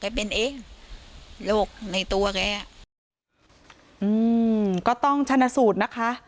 เป็นเองโรคในตัวแกอ่ะอืมก็ต้องชนะสูตรนะคะ